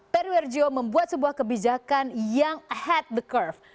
perry warjo membuat sebuah kebijakan yang ahead the curve